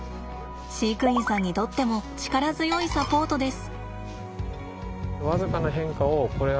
飼育員さんにとっても力強いサポートです。